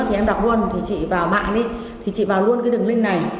thì em đọc luôn thì chị vào mạng đi thì chị vào luôn cái đường link này